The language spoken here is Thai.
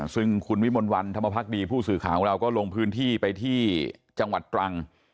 ซึ่งคุณวิมลวันธรรมพักดีผู้สื่อข่าวของเราก็ลงพื้นที่ไปที่จังหวัดตรัง